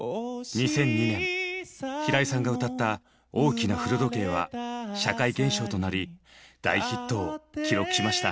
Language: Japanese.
２００２年平井さんが歌った「大きな古時計」は社会現象となり大ヒットを記録しました。